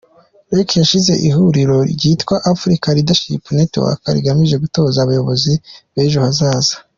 Leke yashinze ihuriro ryitwa ‘African Leadership Network’ rigamije gutoza abayobozi b’ejo hazaza.